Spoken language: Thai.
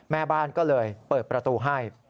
แม่บ้านก็เลยเปิดประตูให้